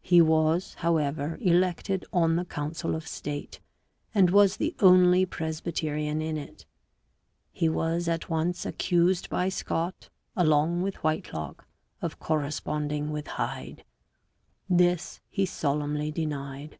He was, however, elected on the council of state, and was the only Presbyterian in it; he was at once accused by Scot, along with Whitelocke, of corresponding with Hyde. This he solemnly denied.